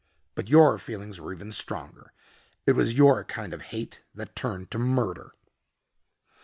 But your feelings were even stronger. It was your kind of hate that turned to murder."